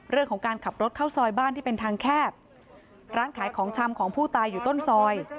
เรื่องของการขับรถเข้าซอยบ้านที่เป็นทางแคบร้านขายของชำของผู้ตายอยู่ต้นซอย